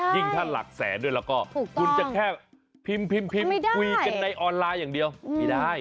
ยิ่งถ้าหลักแสนด้วยแล้วก็คุณจะแค่พิมพ์คุยกันในออนไลน์อย่างเดียวไม่ได้